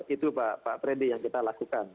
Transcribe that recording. itu pak freddy yang kita lakukan